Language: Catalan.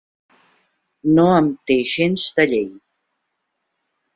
No em té gens de llei.